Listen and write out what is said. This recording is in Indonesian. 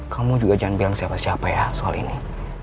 kamu juga jangan bilang siapa siapa ya soal ini